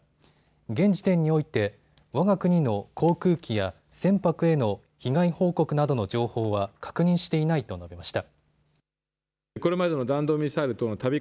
現時点においてわが国の航空機や船舶への被害報告などの情報は確認していないと述べました。